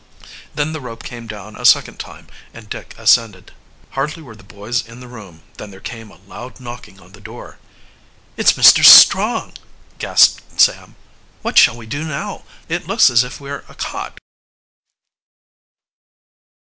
Then the rope came down a second time and Dick ascended. Hardly were the boys in the room than there came a loud knocking on the door. "It's Mr. Strong!" gasped Sam. "What shall we do now? It looks as if we were a caught!"